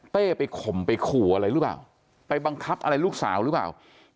ไปข่มไปขู่อะไรหรือเปล่าไปบังคับอะไรลูกสาวหรือเปล่า